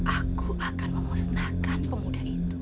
aku akan memusnahkan pemuda itu